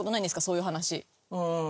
そういう話。